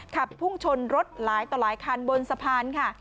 ขับพุ่งชนรถหลายต่อหลายคันบนสะพานค่ะ